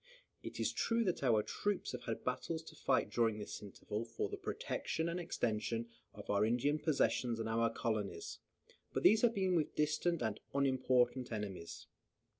It is true that our troops have had battles to fight during this interval for the protection and extension of our Indian possessions and our colonies; but these have been with distant and unimportant enemies.